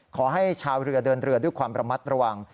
ขอให้ชาวเรือเดินเรือด้วยความระมัดระวัง